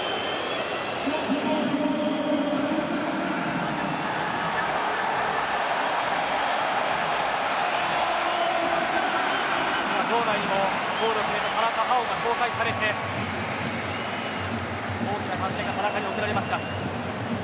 今、場内にもゴールを決めた田中碧が紹介されて大きな歓声が田中に送られました。